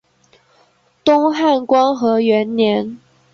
东汉光和元年。